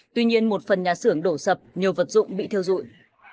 tuy nhiên một phần nhà xưởng đổ sập nhiều vật dụng bị theo dụi